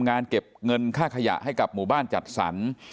งานเก็บเงินค่าขยะให้กับหมู่บ้านจัดสรร